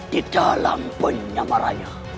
di dalam penyamarannya